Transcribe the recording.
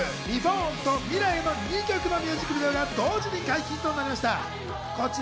『ＲｅＢｏｒｎ』と『未来へ』の２曲のミュージックビデオが同時に解禁となりました。